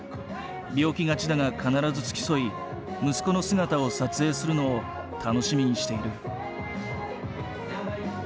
病気がちだが必ず付き添い息子の姿を撮影するのを楽しみにしている。